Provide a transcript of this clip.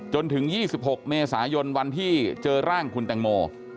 จนถึง๒๖เมษายนวันที่เจอร่างคุณแตงโม